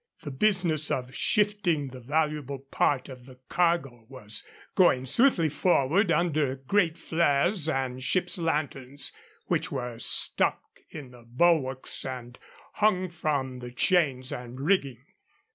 The business of shifting the valuable part of the cargo was going swiftly forward under great flares and ship's lanterns, which were stuck in the bulwarks and hung from the chains and rigging.